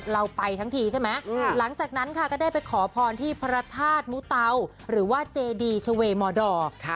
เราไปทั้งทีใช่ไหมหลังจากนั้นค่ะก็ได้ไปขอพรที่พระธาตุมุเตาหรือว่าเจดีชเวมอดอร์